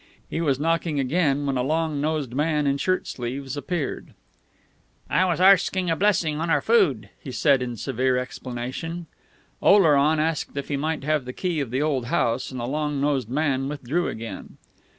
He was knocking again when a long nosed man in shirt sleeves appeared. "I was arsking a blessing on our food," he said in severe explanation. Oleron asked if he might have the key of the old house; and the long nosed man withdrew again.